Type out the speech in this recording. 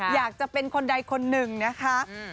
อยากจะเป็นคนใดคนหนึ่งนะคะ